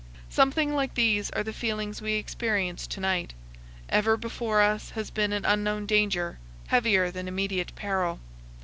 Something like these are the feelings we experience to night. Ever before us has been an unknown danger, heavier than immediate peril.